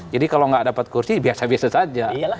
jadi kalau tidak dapat kursi biasa biasa saja